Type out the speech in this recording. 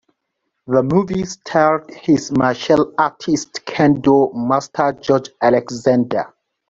The movie starred his Martial Artist's Kendo Master George Alexander.